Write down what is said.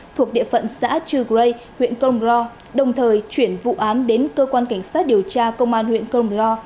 thuộc địa phận xã chư gây huyện công ro đồng thời chuyển vụ án đến cơ quan cảnh sát điều tra công an huyện công lo